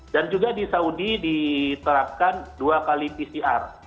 dan juga di saudi diterapkan dua x pcr